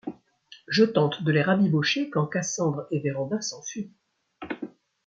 Je tente de les rabibocher quand Cassandre et Vérand’a s’enfuient. ..